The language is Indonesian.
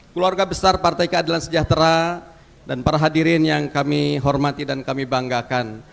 keluarga besar partai keadilan sejahtera dan para hadirin yang kami hormati dan kami banggakan